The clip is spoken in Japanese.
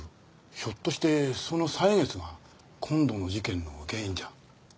ひょっとしてその歳月が今度の事件の原因じゃ？